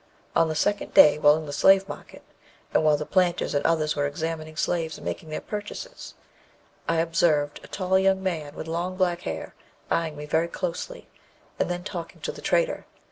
On the second day, while in the slave market, and while planters and others were examining slaves and making their purchases, I observed a tall young man, with long black hair, eyeing me very closely, and then talking to the trader.